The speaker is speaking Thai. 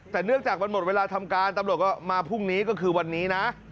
แต่เนื่องจากมันหมดเวลาทำการตำรวจก็มาพรุ่งนี้ก็คือวันนี้นะ